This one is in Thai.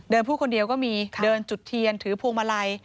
พูดคนเดียวก็มีเดินจุดเทียนถือพวงมาลัย